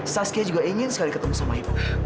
saskia juga ingin sekali ketemu sama ibu